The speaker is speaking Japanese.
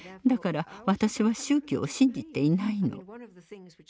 だから私は宗教を信じていないの。